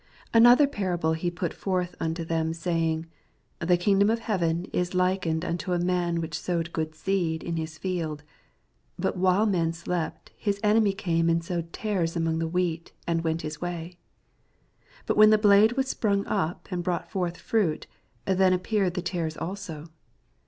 S4 Another parable put be forth unto them, saying, The kingdom of heaven is likened unto a man which Aowed good seed in bis field : 25 Bat while men slept, bis enemy oame and sowed tares among the wheat, and went bis way. 26 ^iit when the blade was sprang op, and brought forth IVait, then ap peared the tares also.